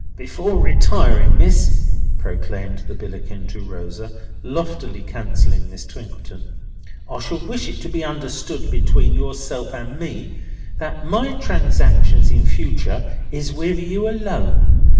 "Hem! Before retiring, Miss," proclaimed the Billickin to Rosa, loftily cancelling Miss Twinkleton, "I should wish it to be understood between yourself and me that my transactions in future is with you alone.